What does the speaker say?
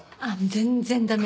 全然駄目。